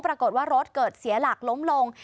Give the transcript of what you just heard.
ปรากฏว่ารถเกิดเสียหลักล้มลง